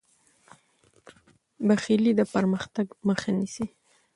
بخیلي د پرمختګ مخه نیسي.